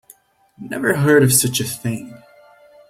Never heard of such a thing.